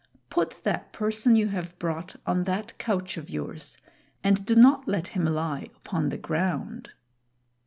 Put that person you have brought on that couch of yours, and do not let him lie upon the ground."